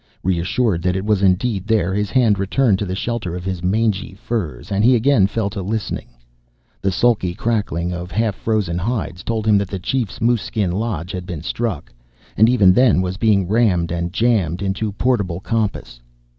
Reassured that it was indeed there, his hand returned to the shelter of his mangy furs, and he again fell to listening. The sulky crackling of half frozen hides told him that the chief's moose skin lodge had been struck, and even then was being rammed and jammed into portable compass.